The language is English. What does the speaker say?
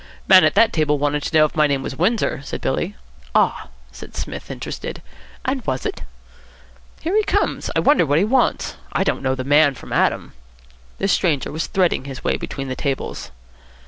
"Man at that table wanted to know if my name was Windsor," said Billy. "Ah?" said Psmith, interested; "and was it?" "Here he comes. I wonder what he wants. I don't know the man from Adam." The stranger was threading his way between the tables.